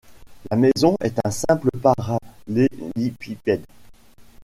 La maison est un simple parallélépipède.